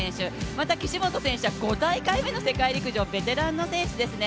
また岸本選手は５大会目の世界陸上ベテランですね。